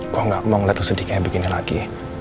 gue gak mau liat lo sedih kayak begini lagi